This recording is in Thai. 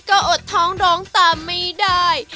ก็อดท้องร้องตามไม่ได้